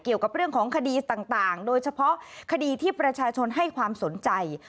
เกี่ยวกับเรื่องของคดีต่างโดยเฉพาะคดีที่ประชาชนให้ความสนใจ